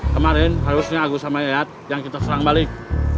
kemarin harusnya agus sama yayat yang kita serang balik